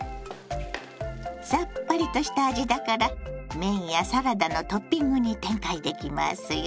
さっぱりとした味だから麺やサラダのトッピングに展開できますよ。